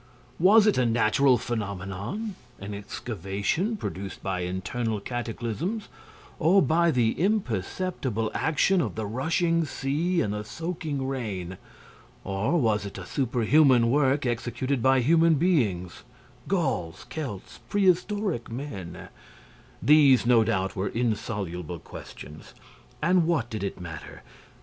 Was it a natural phenomenon, an excavation produced by internal cataclysms or by the imperceptible action of the rushing sea and the soaking rain? Or was it a superhuman work executed by human beings, Gauls, Celts, prehistoric men? These, no doubt, were insoluble questions; and what did it matter?